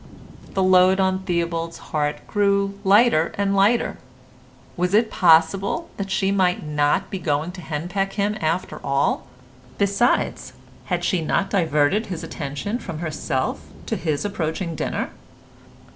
The load on Theobald's heart grew lighter and lighter. Was it possible that she might not be going to henpeck him after all? Besides, had she not diverted his attention from herself to his approaching dinner?